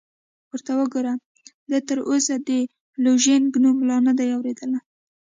ورته وګوره، ده تراوسه د لوژینګ نوم لا نه دی اورېدلی!